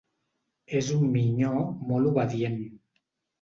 És un minyó molt obedient.